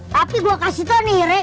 tapi gue kasih tau nih re